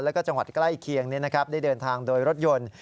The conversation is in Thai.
แล้วก็จังหวัดใกล้เคียงได้เดินทางโดยรถยนต์